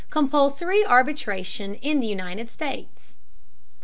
COMPULSORY ARBITRATION IN THE UNITED STATES.